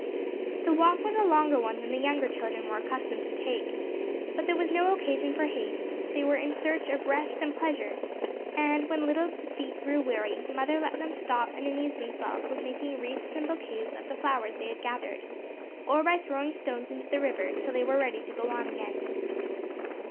The walk was a longer one than the younger children were accustomed to take, but there was no occasion for haste they were in search of rest and pleasure, and when little feet grew weary, mother let them stop and amuse themselves with making wreaths and bouquets of the flowers they had gathered, or by throwing stones into the river, till they were ready to go on again.